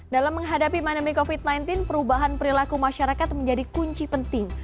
dalam menghadapi pandemi covid sembilan belas perubahan perilaku masyarakat menjadi kunci penting